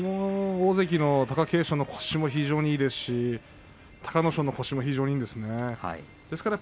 貴景勝の腰もいいですし隆の勝の腰も非常にいいですね。